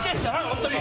本当に！